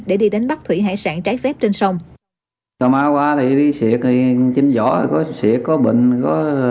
để đi đánh bắt thủy hải sản trái phép trên sông